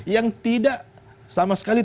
yang tidak sama sekali